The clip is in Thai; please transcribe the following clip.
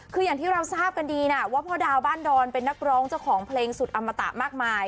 คืออย่างที่เราทราบกันดีนะว่าพ่อดาวบ้านดอนเป็นนักร้องเจ้าของเพลงสุดอมตะมากมาย